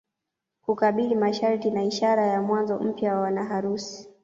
Kukabili masharti na ishara ya mwanzo mpya wa wanaharusi